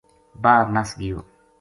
باہر نَس گیو